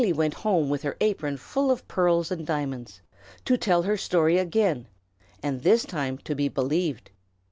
Eily went home with her apron full of pearls and diamonds, to tell her story again, and this time to be believed.